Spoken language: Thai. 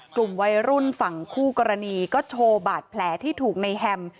กลุ่มวัยรุ่นฝั่งคู่กรณีก็โชว์บาดแผลที่ถูกในแฮม